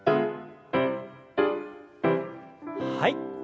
はい。